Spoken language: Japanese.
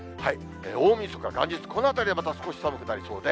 大みそか、元日、このあたり、また少し寒くなりそうです。